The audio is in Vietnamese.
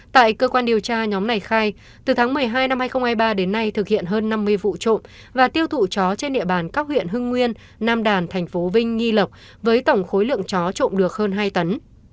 tại cơ quan điều tra nhóm này khai từ tháng một mươi hai năm hai nghìn hai mươi ba đến nay thực hiện hơn năm mươi vụ trộm và tiêu thụ chó trên địa bàn các huyện hưng nguyên nam đàn thành phố vinh nghi lộc với tổng khối lượng chó trộn được hơn hai tấn